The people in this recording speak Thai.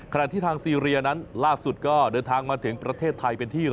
ขณะที่ทางซีเรียนั้นล่าสุดก็เดินทางมาถึงประเทศไทยเป็นที่